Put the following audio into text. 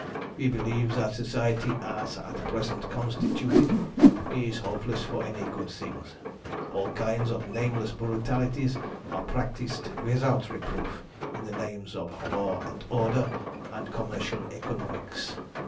"We believe that Society as at present constituted is hopeless for any good thing. All kinds of nameless brutalities are practised without reproof in the names of law and order, and commercial economics.